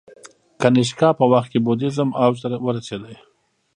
د کنیشکا په وخت کې بودیزم اوج ته ورسید